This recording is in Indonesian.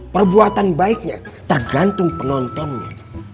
perbuatan baiknya tergantung penontonnya